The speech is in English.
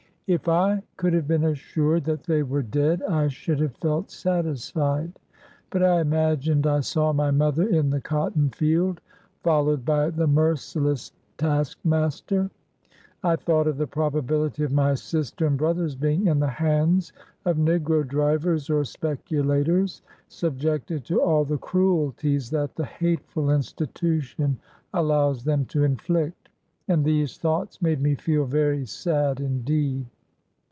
If I could have been assured that they were dead, I should have felt satisfied. But I imagined I saw my mother in the cotton field, followed by the merciless task master. I thought of the probability of my sister and brothers being in the hands of negro drivers or specu lators, subjected to all the cruelties that the hateful institution allows them to inflict ; and these thoughts made me feel very sad indeed.